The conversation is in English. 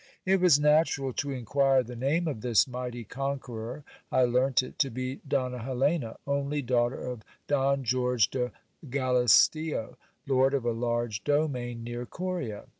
It was natural to inquire the name of this mighty conqueror. I learnt it to be Donna Helena, only daughter of Don George de Galisteo, lord of a large do main near Coria.